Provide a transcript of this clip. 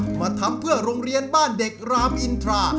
ทีม๓หนุ่ม๓ซ่ามาทำเพื่อโรงเรียนบ้านเด็กรามอินทรา